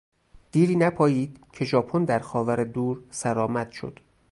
دیری نپایید که ژاپن در خاور دور سرآمد شد.